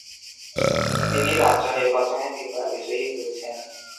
তিনি রাজ্য নির্বাচনে তিনবার বিজয়ী হয়েছেন।